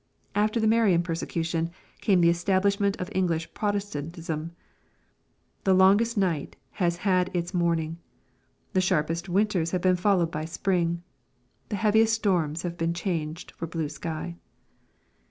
After the Marian persecution, came the establishment of Eng lish Protestantism. The longest night has had its morn ing. The sharpest winters have been followed by spring The heaviest storms have been changed for blue sky.